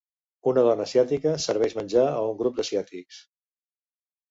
Una dona asiàtica serveix menjar a un grup d'asiàtics.